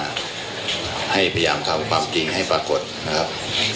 ให้พยายามทำความจริงให้ปรากฏนะครับ